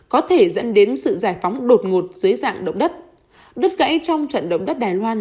có thể dẫn đến sự giải phóng đột ngột dưới dạng động đất đứt gãy trong trận động đất đài loan